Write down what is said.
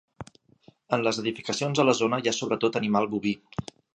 En les edificacions a la zona hi ha sobretot animal boví.